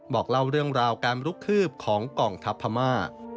บอกเล่าเรื่องราวการลุกคืบของกองทัพพม่า